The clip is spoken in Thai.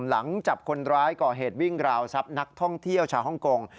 หลังจับคนร้ายก่อเหตุวิ่งราวทรัพย์นักท่องเที่ยวชาวฮ่องกง